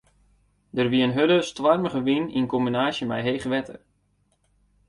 Der wie in hurde, stoarmige wyn yn kombinaasje mei heech wetter.